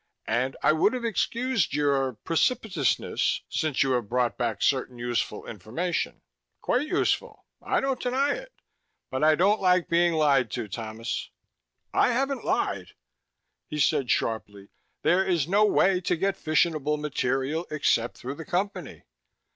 And I would have excused your precipitousness since you have brought back certain useful information. Quite useful. I don't deny it. But I don't like being lied to, Thomas." "I haven't lied!" He said sharply, "There is no way to get fissionable material except through the Company!"